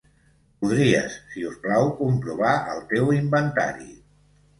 Podries, si us plau, comprovar el teu inventari.